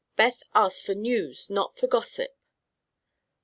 "Beth asked for news, not for gossip."